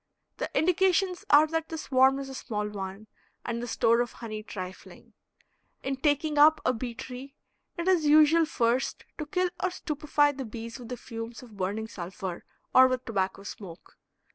The indications are that the swarm is a small one, and the store of honey trifling. In "taking up" a bee tree it is usual first to kill or stupefy the bees with the fumes of burning sulfur or with tobacco smoke.